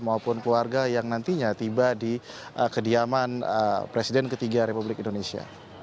maupun keluarga yang nantinya tiba di kediaman presiden ketiga republik indonesia